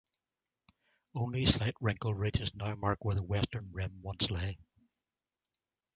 Only slight wrinkle ridges now mark where the western rim once lay.